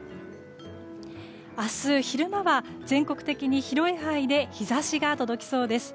明日、昼間は全国的に広い範囲で日差しが届きそうです。